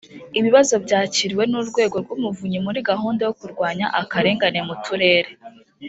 ibibazo byakiriwe n’urwego rw’umuvunyi muri gahunda yo kurwanya akarengane mu turere